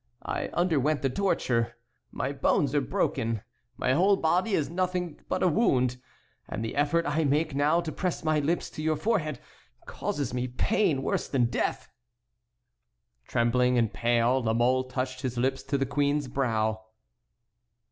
I underwent the torture, my bones are broken, my whole body is nothing but a wound, and the effort I make now to press my lips to your forehead causes me pain worse than death." Pale and trembling, La Mole touched his lips to the queen's brow.